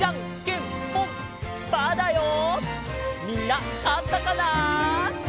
みんなかったかな？